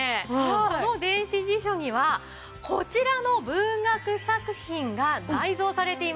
この電子辞書にはこちらの文学作品が内蔵されています。